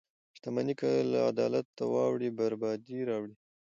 • شتمني که له عدالته واوړي، بربادي راوړي.